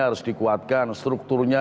harus dikuatkan strukturnya